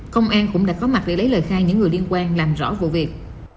công an cũng đã có mặt để lấy lời khai những người liên quan làm rõ vụ việc